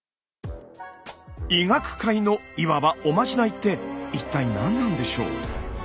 医学界のいわば「おまじない」って一体何なんでしょう？